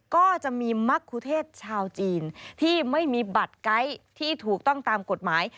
ก็จะมีมรรคุเทศชาวจีนที่ไม่มีบัตรไกด์ที่ถูกต้องตามกฎหมาย